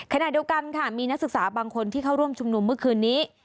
ขณะเดียวกันค่ะมีนักศึกษาบางคนที่เข้าร่วมชุมนุมเมื่อคืนนี้